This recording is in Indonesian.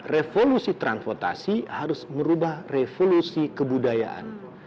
revolusi transportasi harus merubah revolusi kebudayaan